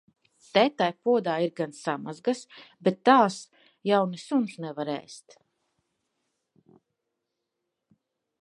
Te tai podā ir gan samazgas, bet tās jau ne suns nevar ēst.